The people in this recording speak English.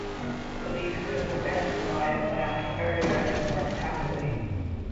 The police could have prevented the riot by acting earlier and more tactfully.